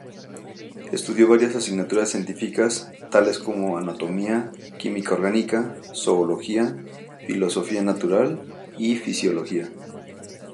Estudió varias asignaturas científicas tales como anatomía, química orgánica, zoología, filosofía natural y fisiología.